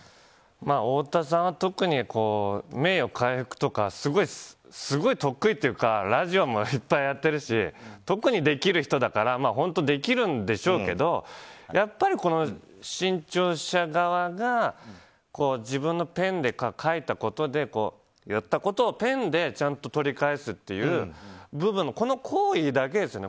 太田さんは特に名誉回復とかすごい、得意っていうかラジオもいっぱいやっているし特にできる人だから本当、できるんでしょうけどやっぱり、新潮社側が自分のペンで書いたことで言ったことをペンでちゃんと取り返すというこの行為だけですよね。